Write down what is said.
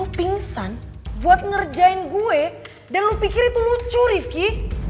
aku pingsan buat ngerjain gue dan lu pikir itu lucu rifki